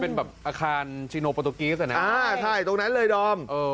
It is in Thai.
โอ๋ใช่ตรงนั้นเลยดอม